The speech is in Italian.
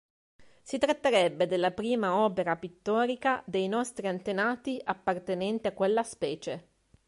Si tratterebbe della prima opera pittorica dei nostri antenati appartenente a quella specie.